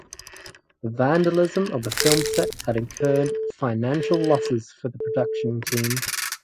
The vandalism of the film set had incurred financial losses for the production team.